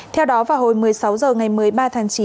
theo đó vào hồi một mươi sáu h ngày một mươi ba tháng chín